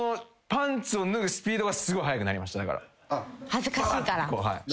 恥ずかしいから。